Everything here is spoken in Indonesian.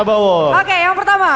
oke yang pertama